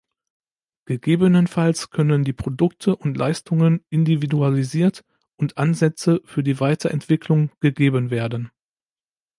Gegebenenfalls können die Produkte und Leistungen individualisiert und Ansätze für die Weiterentwicklung gegeben werden.